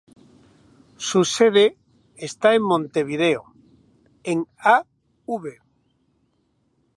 Su sede está en Montevideo, en Av.